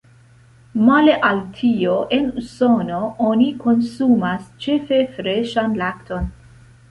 Male al tio, en Usono oni konsumas ĉefe freŝan lakton.